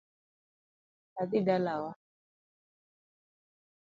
Adhi dalawa